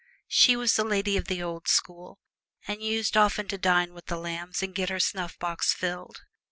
She was a Lady of the Old School, and used often to dine with the Lambs and get her snuffbox filled.